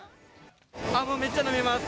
めっちゃ飲みます。